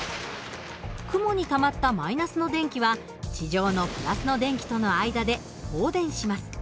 雲にたまった−の電気は地上の＋の電気との間で放電します。